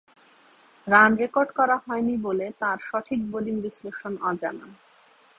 Run record করা হয়নি বলে তাঁর সঠিক বোলিং বিশ্লেষণ অজানা।